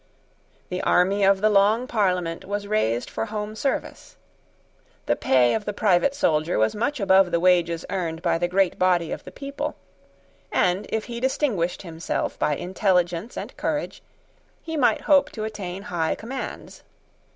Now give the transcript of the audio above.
The army of the Long Parliament was raised for home service. The pay of the private soldier was much above the wages earned by the great body of the people; and, if he distinguished himself by intelligence and courage, he might hope to attain high commands.